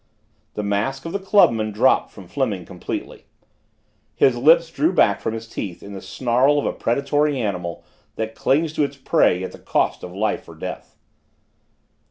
The mask of the clubman dropped from Fleming completely. His lips drew back from his teeth in the snarl of a predatory animal that clings to its prey at the cost of life or death.